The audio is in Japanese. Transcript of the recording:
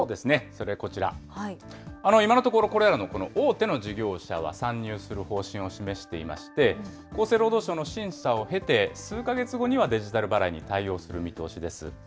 それがこちら、今のところ、これらのこの大手の事業者は参入する方針を示していまして、厚生労働省の審査を経て、数か月後にはデジタル払いに対応する見通しです。